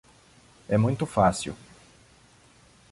É muito fácil.